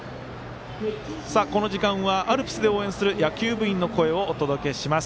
この時間はアルプスで応援する野球部員の声をお届けします。